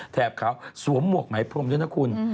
ขาวสวมหมวกไหมพรมด้วยนะคุณ